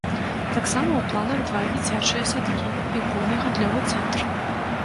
Таксама ў планах два дзіцячыя садкі і буйны гандлёвы цэнтр.